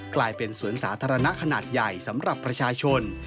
กลายเป็นสวนสาธารณะขนาดใหญ่สำหรับประชาชน